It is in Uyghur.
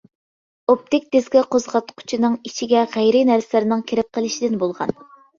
ئوپتىك دىسكا قوزغاتقۇچنىڭ ئىچىگە غەيرىي نەرسىلەرنىڭ كىرىپ قېلىشىدىن بولغان.